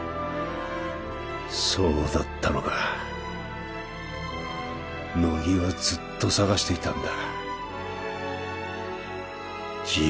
そうだったのか乃木はずっと捜していたんだ